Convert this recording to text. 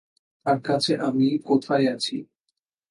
তার কাছে আমি কোথায় আছি!